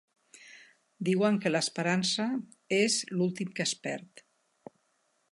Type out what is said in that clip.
Diuen que l'esperança és l'últim que es perd.